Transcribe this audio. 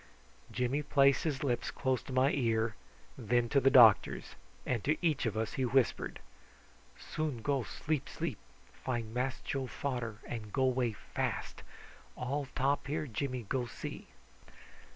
Jimmy placed his lips close to my ear, then to the doctor's, and to each of us he whispered: "Soon go sleep sleep. Find Mass Joe fader, and go away fast. All top here Jimmy go see."